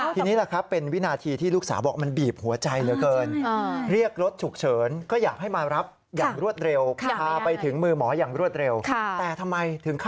ทีนี้แหละครับเป็นวินาทีที่ลูกสาวบอกมันบีบหัวใจเหลือเกิน